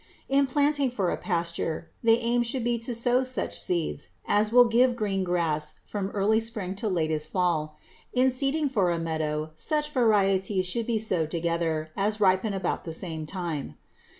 In planting for a pasture the aim should be to sow such seeds as will give green grass from early spring to latest fall. In seeding for a meadow such varieties should be sowed together as ripen about the same time.